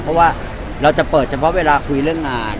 เพราะว่าเราจะเปิดเฉพาะเวลาคุยเรื่องงาน